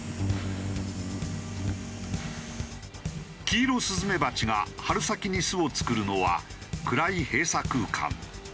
キイロスズメバチが春先に巣を作るのは暗い閉鎖空間。